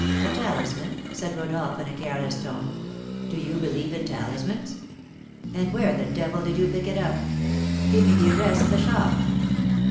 "A talisman!" said Rodolph, in a careless tone; "do you believe in talismans? And where the devil did you pick it up? Give me the address of the shop."